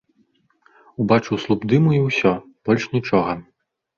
Убачыў слуп дыму і ўсё, больш нічога.